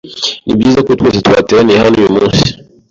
Nibyiza ko twese twateraniye hano uyumunsi.